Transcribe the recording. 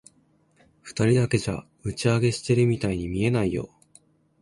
二人だけじゃ、打ち上げしてるみたいに見えないよ。